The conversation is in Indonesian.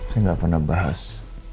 saya gak pernah bahas